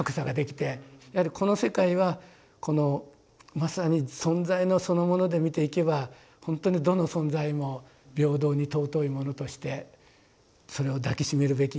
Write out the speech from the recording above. やはりこの世界はこのまさに存在のそのもので見ていけばほんとにどの存在も平等に尊いものとしてそれを抱きしめるべき